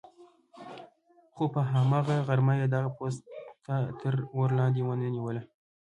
خو په هماغه غرمه یې دغه پوسته تر اور لاندې ونه نیوله.